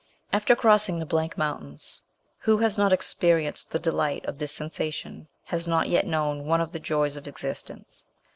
After crossing the blank mountains, who has not experienced the delight of this sensation has not yet known one of the joys of existence.